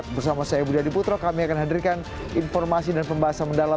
bersama saya budi adiputro kami akan hadirkan informasi dan pembahasan mendalam